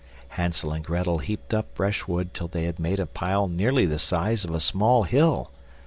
Hansel and Grettel heaped up brushwood till they had made a pile nearly the size of a small hill.